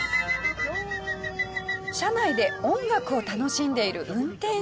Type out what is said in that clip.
車内で音楽を楽しんでいる運転手さん。